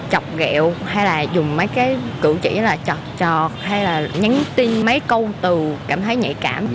chọc ghẹo hay là dùng mấy cái cử chỉ là chọt chọt hay là nhắn tin mấy câu từ cảm thấy nhạy cảm